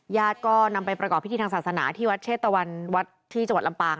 ญาติก็นำไปประกอบพิธีทางศาสนาที่วัดเชษตะวันวัดที่จังหวัดลำปาง